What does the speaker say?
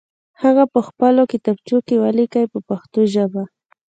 هغه په خپلو کتابچو کې ولیکئ په پښتو ژبه.